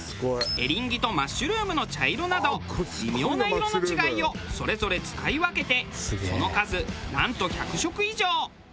エリンギとマッシュルームの茶色など微妙な色の違いをそれぞれ使い分けてその数なんと１００色以上。